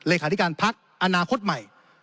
เลขาธิการพักอนาคตใหม่